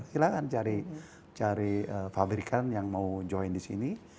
silahkan cari pabrikan yang mau join di sini